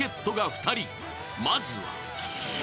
［まずは］